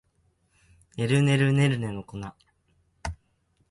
ねるねるねるねの一の粉